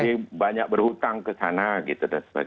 jadi banyak berhutang ke sana gitu dan sebagainya